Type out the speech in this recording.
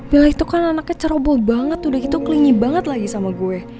bella itu kan anaknya cerobol banget udah gitu kelingi banget lagi sama gua